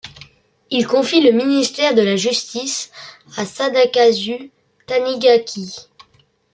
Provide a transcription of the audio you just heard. Il confie le ministère de la Justice à Sadakazu Tanigaki.